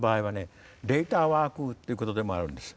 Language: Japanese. レイト・ワークということでもあるんです。